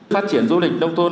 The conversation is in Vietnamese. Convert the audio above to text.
phát triển du lịch nông thôn